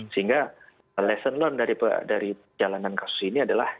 sehingga lesson learned dari jalanan kasus ini adalah